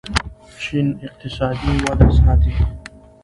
چین اقتصادي وده ساتي.